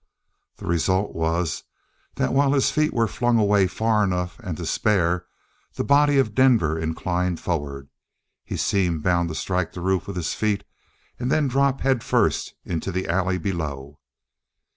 The result was that while his feet were flung away far enough and to spare, the body of Denver inclined forward. He seemed bound to strike the roof with his feet and then drop head first into the alley below.